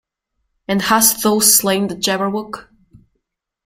And hast thou slain the Jabberwock?